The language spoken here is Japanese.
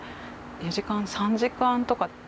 ４時間３時間とか。